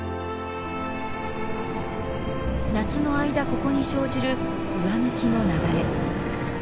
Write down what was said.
夏の間ここに生じる上向きの流れ。